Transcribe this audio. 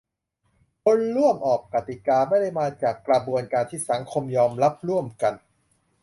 คนร่วมออกกติกา ไม่ได้มาจากกระบวนการที่สังคมยอมรับร่วมกัน